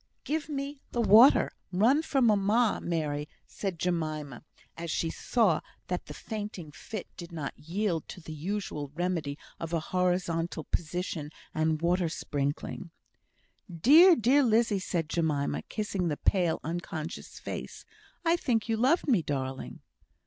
"Give me the water. Run for mamma, Mary," said Jemima, as she saw that the fainting fit did not yield to the usual remedy of a horizontal position and the water sprinkling. "Dear! dear Lizzie!" said Jemima, kissing the pale, unconscious face. "I think you loved me, darling."